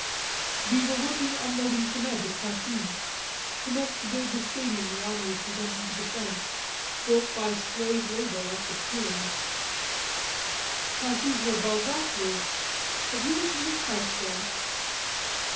"We were working unloading cement at Passy cement to build the stadium the army is presenting to the French, built by slave labor, like the pyramids." "Passy's where Balzac lived. Have you ever seen his house there?"